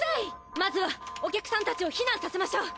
まずはお客さんたちを避難させましょう。